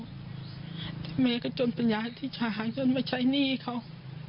และแม่ก็จนประหยาติธาครจนไม่ใช้หนี้เขา